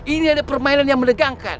ini ada permainan yang menegangkan